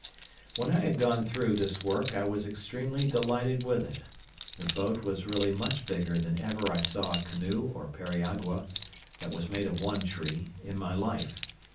When I had gone through this work I was extremely delighted with it. The boat was really much bigger than ever I saw a canoe or periagua, that was made of one tree, in my life.